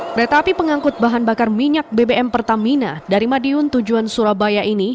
kereta api pengangkut bahan bakar minyak bbm pertamina dari madiun tujuan surabaya ini